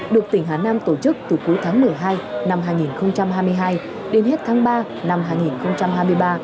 được tỉnh hà nam tổ chức từ cuối tháng một mươi hai năm hai nghìn hai mươi hai đến hết tháng ba năm hai nghìn hai mươi ba